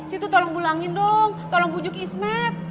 situ tolong bulangin dong tolong bujuk ismat